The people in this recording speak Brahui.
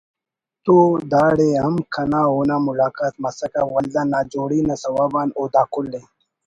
تو داڑے ہم کنا اونا ملاقات مسکہ ولدا ناجوڑی نا سوب او دا کل ءِ